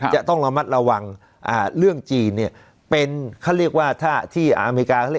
จะต้องระมัดระวังเรื่องจีนเนี่ยเป็นเขาเรียกว่าถ้าที่อเมริกาเขาเรียก